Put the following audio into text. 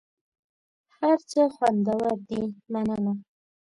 هر څه خوندور دي مننه .